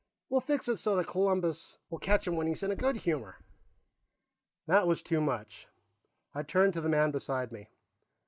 We'll fix it so that Columbus will catch him when he's in a good humor." That was too much. I turned to the man beside me.